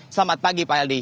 selamat pagi pak heldy